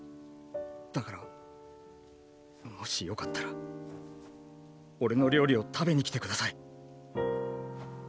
だからもしよかったら俺の料理を食べに来て下さい！